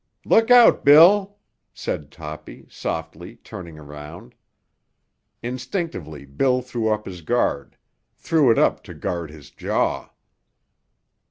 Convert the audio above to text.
"Look out, Bill!" said Toppy softly, turning around. Instinctively Bill threw up his guard—threw it up to guard his jaw.